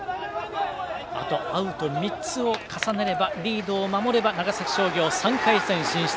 あとアウト３つを重ねればリードを守れば長崎商業、３回戦進出。